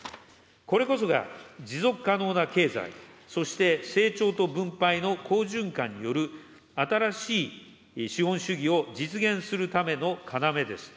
これこそが、持続可能な経済、そして成長と分配の好循環による新しい資本主義を実現するための要です。